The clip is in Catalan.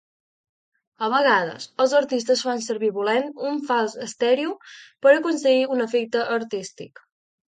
A vegades els artistes fan servir volent un fals estèreo per aconseguir un efecte artístic.